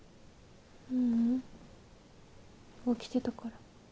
ううん起きてたから。